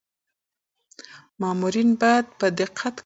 مامورین باید په دقت کار وکړي.